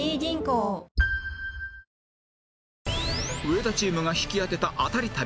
上田チームが引き当てたアタリ旅